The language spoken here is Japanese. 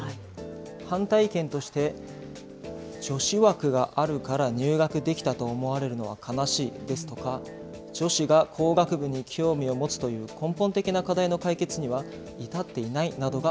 反対意見として、女子枠があるから入学できたと思われるのは悲しいですとか、女子が工学部に興味を持つという根本的な課題の解決には至ってい